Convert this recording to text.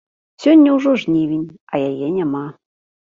Сёння ўжо жнівень, а яе няма.